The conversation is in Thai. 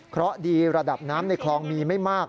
เพราะดีระดับน้ำในคลองมีไม่มาก